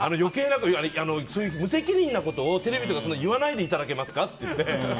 無責任なことをテレビとかで言わないでいただけますかって。